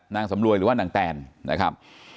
นางสำรวยหรือว่านางแตนนะครับ